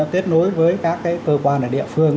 kết nối với các cơ quan địa phương